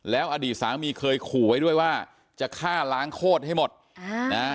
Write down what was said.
แล้วอดีตสามีเคยขู่ไว้ด้วยว่าจะฆ่าล้างโคตรให้หมดอ่านะฮะ